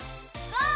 ゴー！